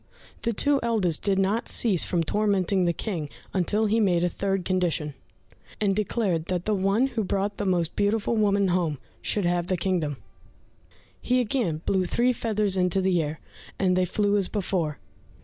The two eldest did not cease from tormenting the King until he made a third condition, and declared that the one who brought the most beautiful woman home, should have the kingdom. He again blew the three feathers into the air, and they flew as before.